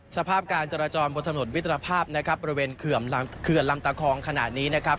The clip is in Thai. สภาพการจราจรบนถนนมิตรภาพนะครับบริเวณเขื่อนลำตะคองขณะนี้นะครับ